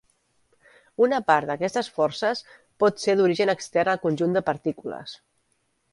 Una part d'aquestes forces pot ser d'origen extern al conjunt de partícules.